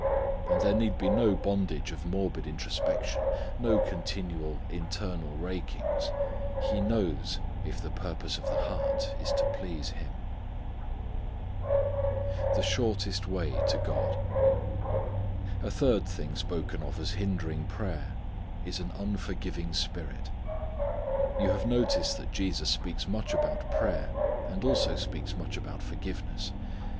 And there need be no bondage of morbid introspection, no continual internal rakings. He knows if the purpose of the heart is to please Him. The Shortest Way to God. A third thing spoken of as hindering prayer is an unforgiving spirit. You have noticed that Jesus speaks much about prayer and also speaks much about forgiveness.